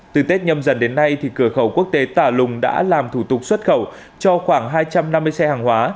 từ tết nhâm dần đến nay cửa khẩu quốc tế tà lùng đã làm thủ tục xuất khẩu cho khoảng hai trăm năm mươi xe hàng hóa